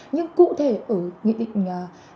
nhưng cụ thể ở nghị định một mươi năm hai nghìn hai mươi